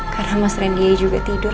karena mas randy juga tidur